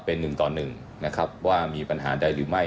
เป็นหนึ่งต่อ๑นะครับว่ามีปัญหาใดหรือไม่